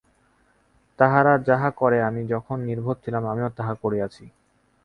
তাহারা যাহা করে, আমি যখন নির্বোধ ছিলাম, আমিও তাহা করিয়াছি।